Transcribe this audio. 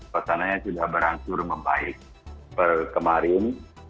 pertananya sudah berangkur membaik kemarin